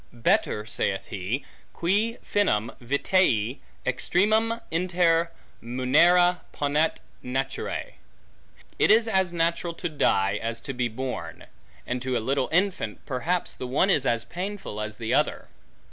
Better saith he, qui finem vitae extremum inter munera ponat naturae. It is as natural to die, as to be born; and to a little infant, perhaps, the one is as painful, as the other.